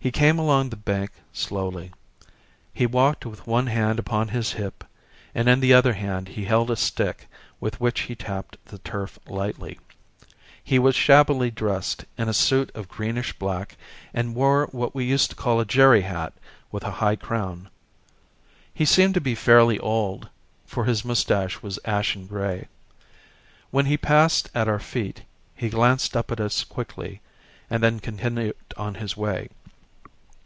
He came along by the bank slowly. He walked with one hand upon his hip and in the other hand he held a stick with which he tapped the turf lightly. He was shabbily dressed in a suit of greenish black and wore what we used to call a jerry hat with a high crown. He seemed to be fairly old for his moustache was ashen grey. When he passed at our feet he glanced up at us quickly and then continued his way.